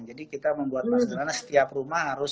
jadi kita membuat masker karena setiap rumah harus